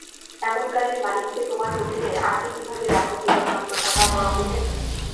এমন গাড়ির মালিককে তোমার হোটেলে আটকে কীভাবে রাখো কেবলমাত্র টাকা পাও বলে।